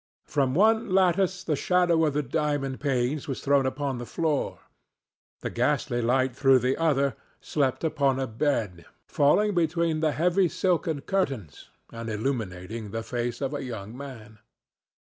From one lattice the shadow of the diamond panes was thrown upon the floor; the ghostly light through the other slept upon a bed, falling between the heavy silken curtains and illuminating the face of a young man.